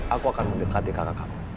aku akan mendekati kakak kamu